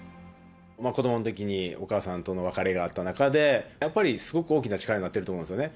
子どものときにお母さんとの別れがあった中で、やっぱりすごく大きな力になってると思うんですよね。